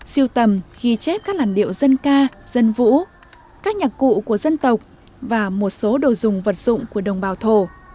siêu tầm ghi chép các làn điệu dân ca dân vũ các nhạc cụ của dân tộc và một số đồ dùng vật dụng của đồng bào thổ